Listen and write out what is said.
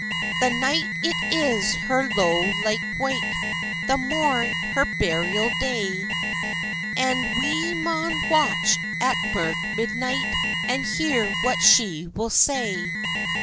"The night it is her low lykewake, The morn her burial day; And we maun watch at mirk midnight, And hear what she will say."